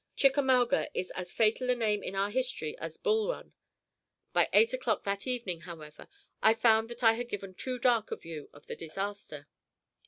Chickamauga is as fatal a name in our history as Bull Run." By eight o'clock that evening, however, I found that I had given too dark a view of the disaster.